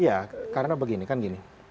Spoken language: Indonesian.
iya karena begini kan gini